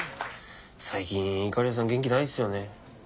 最近いかりやさん元気ないっすよね。